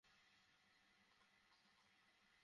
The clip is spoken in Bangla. হ্যাঁচকা টান দিয়ে খুললেন ডালা।